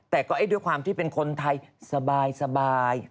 แต่ก็ด้วยความที่เป็นคนไทยสบาย